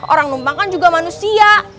orang numpang kan juga manusia